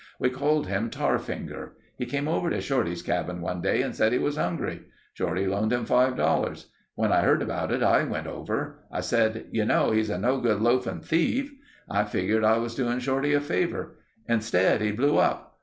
We called him Tarfinger. He came over to Shorty's cabin one day and said he was hungry. Shorty loaned him $5.00. When I heard about it I went over. I said, 'You know he's a no good loafing thief.' I figured I was doing Shorty a favor. Instead, he blew up.